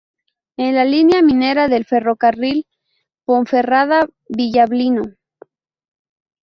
En la línea minera del Ferrocarril Ponferrada Villablino.